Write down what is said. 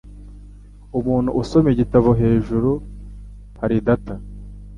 Umuntu usoma igitabo hejuru hari data.